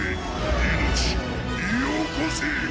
命よこせ！